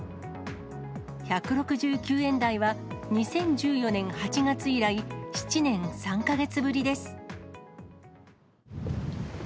１６９円台は２０１４年８月以来、７年３か月ぶりです。